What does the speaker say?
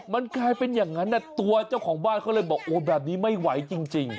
มันกลายเป็นอย่างนั้นตัวเจ้าของบ้านเขาเลยบอกโอ้แบบนี้ไม่ไหวจริง